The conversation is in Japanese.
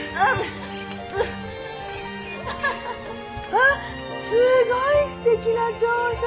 あっすごいすてきな朝食！